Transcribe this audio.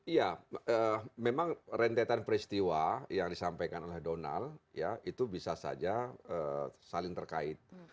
iya memang rentetan peristiwa yang disampaikan oleh donald ya itu bisa saja saling terkait